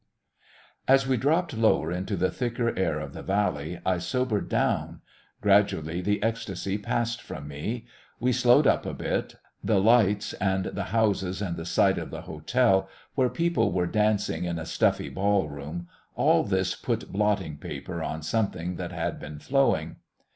As we dropped lower into the thicker air of the valley I sobered down. Gradually the ecstasy passed from me. We slowed up a bit. The lights and the houses and the sight of the hotel where people were dancing in a stuffy ballroom, all this put blotting paper on something that had been flowing.